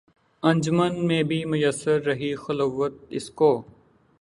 انجمن میں بھی میسر رہی خلوت اس کو